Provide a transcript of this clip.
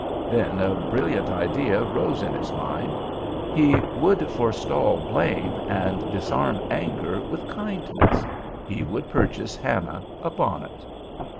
Then a brilliant idea rose in his mind. He would forestall blame and disarm anger with kindness—he would purchase Hannah a bonnet.